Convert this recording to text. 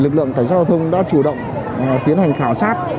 cảnh giao thông đã chủ động tiến hành khảo sát